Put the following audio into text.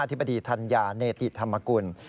ธิบดีธัญญาเนติธรรมกุล